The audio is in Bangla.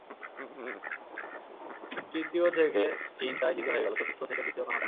তৃতীয় থেকে চীন তাই দ্বিতীয় হয়ে গেল, চতুর্থ থেকে তৃতীয় কানাডা।